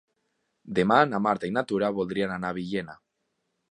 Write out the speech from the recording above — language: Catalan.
Demà na Marta i na Tura voldrien anar a Villena.